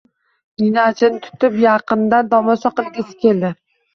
Ninachini tutib, yaqindan tomosha qilgisi keldi.